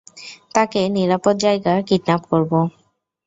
তাকে নিরাপদ যায়গা কিডন্যাপ করবো।